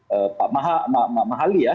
sehingga saya pilihan dprd itu adalah pak mahali ya